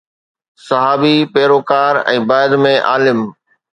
صحابي، پيروڪار ۽ بعد ۾ عالم